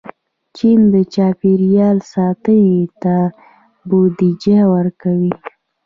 چین د چاپېریال ساتنې ته بودیجه ورکوي.